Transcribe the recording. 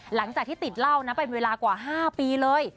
หลังจากที่ติดเหล้านะเป็นเวลากว่า๕ปีเลย